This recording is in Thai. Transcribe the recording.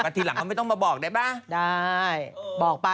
แต่ทีหลังเขาก็ไม่ต้องมาบอกได้ป่ะ